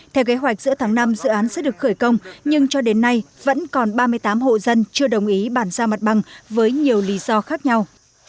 theo kế hoạch giữa tháng năm dự án sẽ được khởi công nhưng cho đến nay vẫn còn ba mươi tám hộ dân chưa đồng ý bản giao mặt bằng với nhiều lý do khác nhau